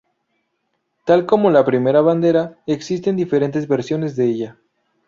Tal como la primera bandera, existen diferentes versiones de ella.